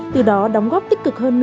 từ đó đóng góp tích cực hơn một lần